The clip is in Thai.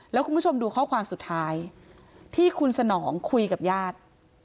แล้วคุณผู้ชมดูข้อความสุดท้ายที่คุณสนองคุยกับญาติ